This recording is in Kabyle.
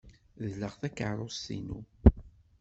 Dleɣ takeṛṛust-inu.